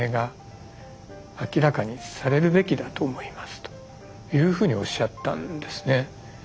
というふうにおっしゃったんですね。